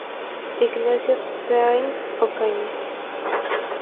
Ignacio Sáenz Ocaña.